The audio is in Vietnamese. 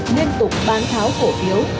liên tục bán tháo cổ phiếu